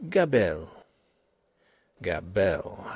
"Gabelle." "Gabelle.